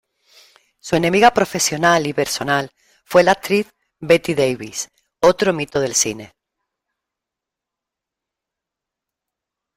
Su enemiga profesional y personal fue la actriz Bette Davis, otro mito del cine.